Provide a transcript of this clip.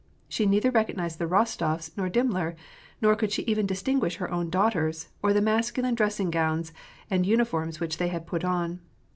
She neither recognized the Rostofs nor Dimmler, nor could she even distinguish her own daughters, or the masculine dressing gowns and uniforms which they had put on.